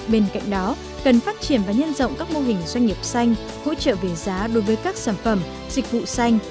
bên cạnh đó cần phát triển và nhân rộng các mô hình doanh nghiệp xanh hỗ trợ về giá đối với các sản phẩm dịch vụ xanh